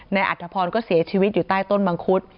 อัธพรก็เสียชีวิตอยู่ใต้ต้นมังคุด